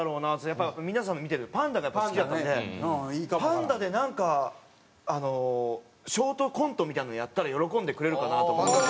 やっぱり皆さんの見てるとパンダがやっぱ好きだったんでパンダでなんかショートコントみたいなのをやったら喜んでくれるかなとか。